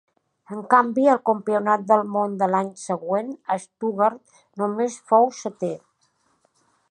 En canvi, al Campionat del Món de l'any següent a Stuttgart només fou setè.